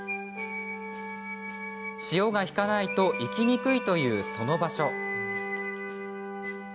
潮が引かないと行きにくいというその場所。